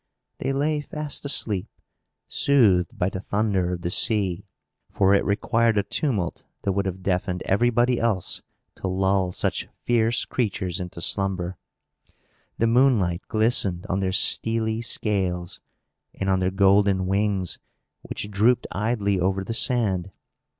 They lay fast asleep, soothed by the thunder of the sea; for it required a tumult that would have deafened everybody else to lull such fierce creatures into slumber. The moonlight glistened on their steely scales, and on their golden wings, which drooped idly over the sand.